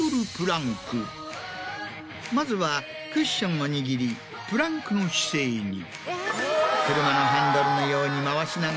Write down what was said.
まずはクッションを握りプランクの姿勢に。